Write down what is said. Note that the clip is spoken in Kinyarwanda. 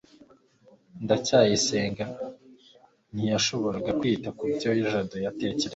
ndacyayisenga ntiyashoboraga kwita kubyo jabo atekereza